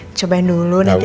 gak usah gak usah